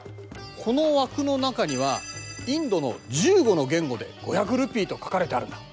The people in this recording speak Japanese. この枠の中にはインドの１５の言語で「５００ルピー」と書かれてあるんだ。